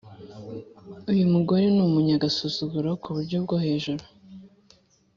Uyumugore numuyagasusuguro kuburyo bwohejuru